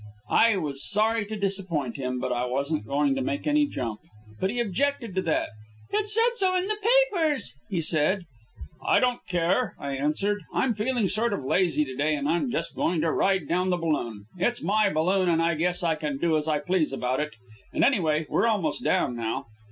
I was sorry to disappoint him, but I wasn't going to make any jump. But he objected to that. "It said so in the papers," he said. "I don't care," I answered. "I'm feeling sort of lazy today, and I'm just going to ride down the balloon. It's my balloon and I guess I can do as I please about it. And, anyway, we're almost down now."